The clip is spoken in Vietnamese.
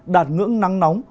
đạt ngưỡng nắng nóng